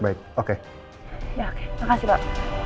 ya oke terima kasih pak